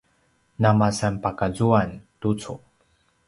namasanpakazuan tucu